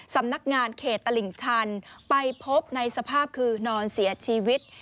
สำนักงานเขตตลิ่งชันไปพบในสภาพคือนอนเสียชีวิต